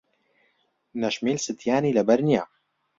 نەشمیل ستیانی لەبەر نییە.